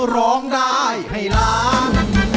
ร้องได้ให้ล้าน